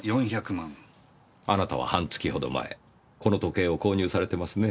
あなたは半月ほど前この時計を購入されてますね？